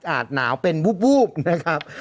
หนาวเป็นวูบนะครับ